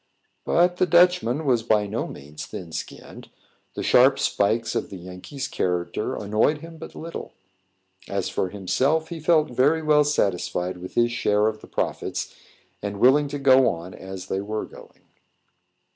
But the Dutchman was by no means thin skinned; the sharp spikes of the Yankee's character annoyed him but little. As for himself, he felt very well satisfied with his share of the profits, and willing to go on as they were going.